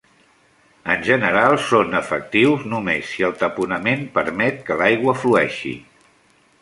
En general, són efectius només si el taponament permet que l'aigua flueixi.